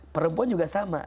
perempuan juga sama